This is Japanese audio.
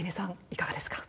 いかがですか？